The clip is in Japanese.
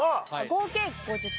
合計５０点。